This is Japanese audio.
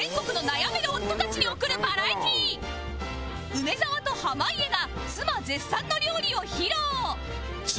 梅沢と濱家が妻絶賛の料理を披露！